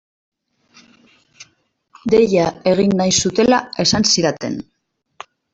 Deia egin nahi zutela esan zidaten.